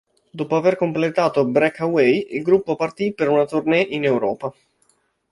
Dopo aver completato "Break Away", il gruppo partì per una tournée in Europa.